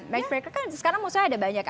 matchmaker kan sekarang ada banyak